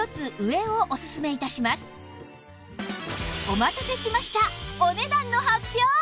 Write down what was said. お待たせしましたお値段の発表！